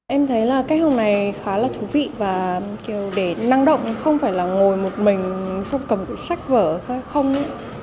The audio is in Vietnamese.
em thấy là cách học này khá là thú vị và kiểu để năng động không phải là ngồi một mình trong cầm sách vở hay không ấy